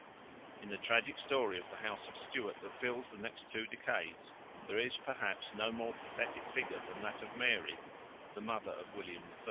In the tragic story of the House of Stewart that fills the next two decades there is perhaps no more pathetic figure than that of Mary, the mother of William III.